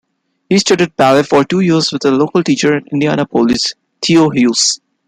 He studied ballet for two years with a local teacher in Indianapolis, Theo Hewes.